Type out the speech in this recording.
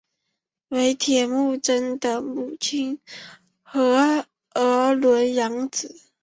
为铁木真的母亲诃额仑养子。